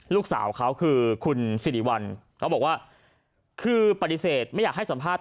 ลูกสาวเขาคือคุณสิริวัลเขาบอกว่าคือปฏิเสธไม่อยากให้สัมภาษณ